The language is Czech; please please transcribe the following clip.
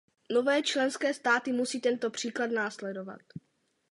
Nové členské státy musí tento příklad následovat.